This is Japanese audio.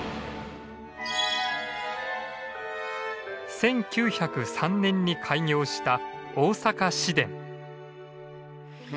１９０３年に開業した大阪市電。